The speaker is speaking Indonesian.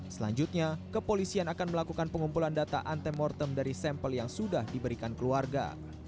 selanjutnya kepolisian akan melakukan pengumpulan data antemortem dari sampel yang sudah diberikan keluarga